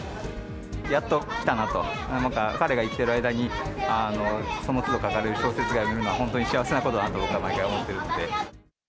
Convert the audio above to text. やっときたなと、彼が生きてる間にそのつど書かれる小説が読めるのは本当に幸せなことだなと、僕は毎回思ってるんで。